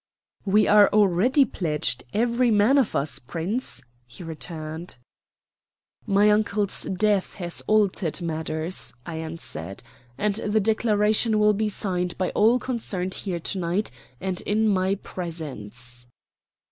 "We are already pledged, every man of us, Prince," he returned. "My uncle's death has altered matters," I answered. "And the declaration will be signed by all concerned here to night and in my presence."